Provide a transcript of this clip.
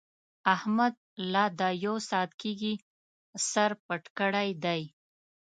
احمد له دا يو ساعت کېږي سر پټ کړی دی.